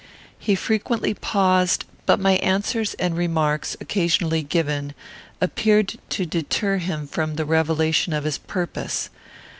He frequently paused; but my answers and remarks, occasionally given, appeared to deter him from the revelation of his purpose.